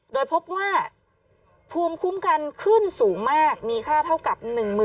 โดยพบว่าภูมิคุ้มกันขึ้นสูงมากมีค่าเท่ากับ๑๐๐๐